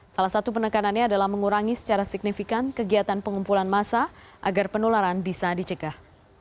salah satu penekanannya adalah mengurangi secara signifikan kegiatan pengumpulan massa agar penularan bisa dicegah